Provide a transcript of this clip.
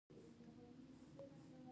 دماغ د حافظې د ساتلو لپاره کار کوي.